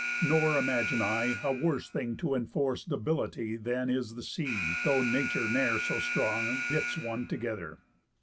Nor imagine I, A worse thing to enforce debility Than is the sea, though nature ne'er so strong Knits one together."